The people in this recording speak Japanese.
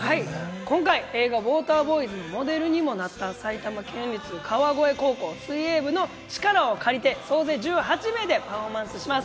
今回、映画『ウォーターボーイズ』のモデルにもなった埼玉県立川越高校水泳部の力を借りて総勢１８名でパフォーマンスします。